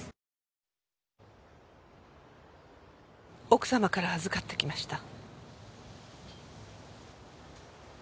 奥様から預かってきました。